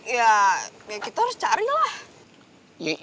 ya kita harus cari lah